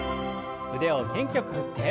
腕を元気よく振って。